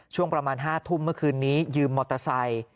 ช่วงประมาณ๕ทุ่มเมื่อคืนนี้ยืมมอเตอร์ไซค์